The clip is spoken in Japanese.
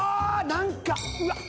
何かうわっ！